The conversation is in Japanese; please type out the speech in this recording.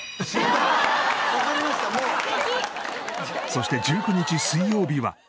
そして１９日水曜日は。